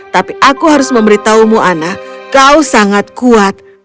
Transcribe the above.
tapi aku harus memberitahumu ana kau sangat kuat